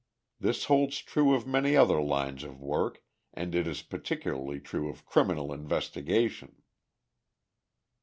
This holds true of many other lines of work, and it is particularly true of criminal investigation.